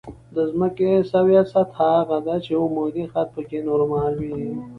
د ځمکې سویه سطح هغه ده چې عمودي خط پکې نورمال وي